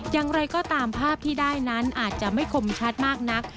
อย่างไรก็ตามภาพที่ได้นั้นอาจจะไม่คมชัดมากนัก